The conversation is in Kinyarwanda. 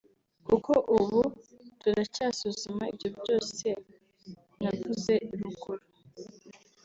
kuko ubu turacyasuzuma ibyo byose navuze ruguru